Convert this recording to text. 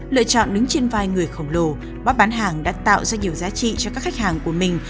lựa chọn đứng trên vai người khổng lồ bóp bán hàng đã tạo ra nhiều giá trị cho các khách hàng của mình